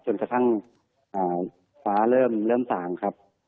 จนกระทั่งฟ้าเริ่มสางครับ